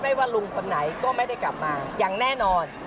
ว่าลุงคนไหนก็ไม่ได้กลับมาอย่างแน่นอน